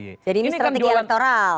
jadi ini strategi aktoral